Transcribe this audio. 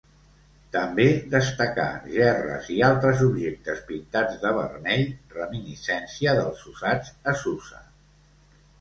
També destacar gerres i altres objectes pintats de vermell, reminiscència dels usats a Susa.